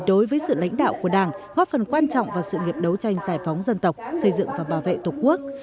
đối với sự lãnh đạo của đảng góp phần quan trọng vào sự nghiệp đấu tranh giải phóng dân tộc xây dựng và bảo vệ tổ quốc